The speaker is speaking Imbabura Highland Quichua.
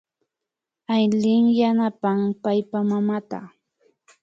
Aylin yanapan paypa mamata